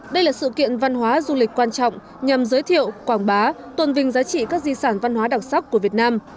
đây là sự kiện văn hóa du lịch quan trọng nhằm giới thiệu quảng bá tồn vinh giá trị các di sản văn hóa đặc sắc của việt nam